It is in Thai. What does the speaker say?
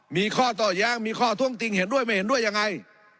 มีข้อต่อแย้งมีข้อท่วงติงเห็นด้วยไม่เห็นด้วยยังไง